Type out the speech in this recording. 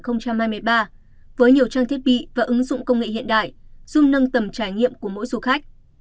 với nhiều trang thiết bị và ứng dụng công nghệ hiện đại giúp nâng tầm trải nghiệm của mỗi du khách